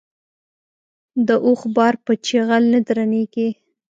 د اوښ بار په چيغل نه درنېږي.